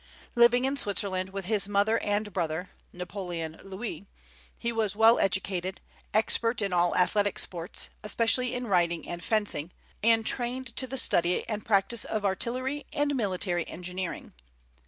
Living in Switzerland, with his mother and brother (Napoleon Louis), he was well educated, expert in all athletic sports, especially in riding and fencing, and trained to the study and practice of artillery and military engineering.